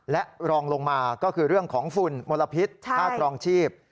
และรองลงมาก็คือเรื่องของฝุ่นมลพิษค่าครองชีพ